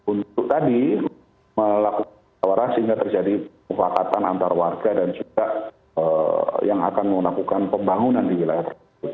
untuk tadi melakukan tawaran sehingga terjadi pemufakatan antar warga dan juga yang akan melakukan pembangunan di wilayah tersebut